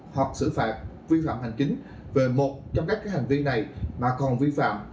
hoặc xử phạt vi phạm hành chính về một trong các hành vi này mà còn vi phạm